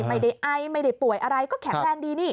ไม่ได้ไอไม่ได้ป่วยอะไรก็แข็งแรงดีนี่